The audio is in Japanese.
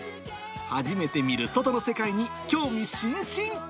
初めて見る外の世界に興味津々。